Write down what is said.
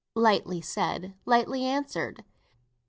Lightly said, lightly answered.